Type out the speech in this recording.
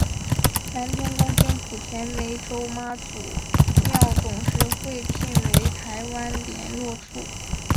南天宫经莆田湄洲妈祖庙董事会聘为台湾连络处。